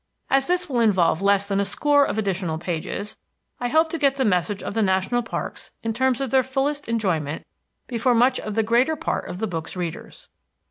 As this will involve less than a score of additional pages, I hope to get the message of the national parks in terms of their fullest enjoyment before much the greater part of the book's readers.